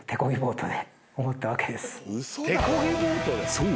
［そう。